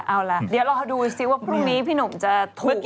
เอาล่ะเดี๋ยวเราดูสิว่าพรุ่งนี้พี่หนุ่มจะถูกหรือเปล่า